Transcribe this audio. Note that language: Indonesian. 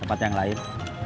tempat yang lain